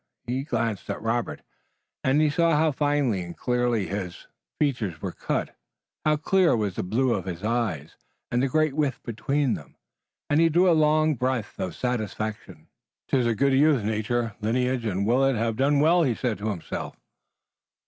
He glanced at Robert and saw how finely and clearly his features were cut, how clear was the blue of his eyes and the great width between them, and he drew a long breath of satisfaction. "'Tis a good youth. Nature, lineage and Willet have done well," he said to himself.